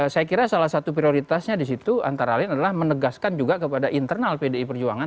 saya kira salah satu prioritasnya di situ antara lain adalah menegaskan juga kepada internal pdi perjuangan